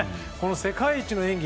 世界一の演技